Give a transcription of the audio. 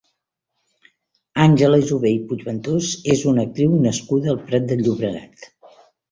Àngela Jové i Puigventós és una actriu nascuda al Prat de Llobregat.